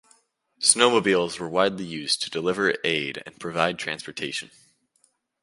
Snowmobiles were widely used to deliver aid and provide transportation.